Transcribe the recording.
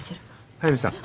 速見さん。